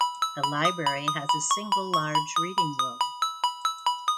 The library has a single large reading room.